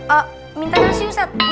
eh mintanya nasi ustadz